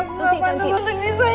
aku gak pantas untuk disayang